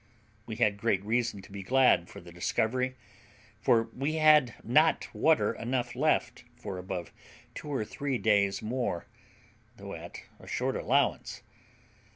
We had great reason to be glad of the discovery, for we had not water enough left for above two or three days more, though at a short allowance.